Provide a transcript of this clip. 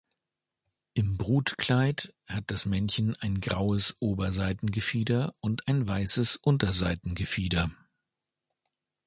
Im Brutkleid hat das Männchen ein graues Oberseitengefieder und ein weißes Unterseitengefieder.